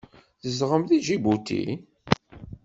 Tzedɣem deg Ǧibuti?